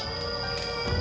aku akan tetap hidup